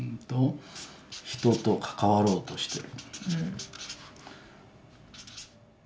人と関わろうとしてる。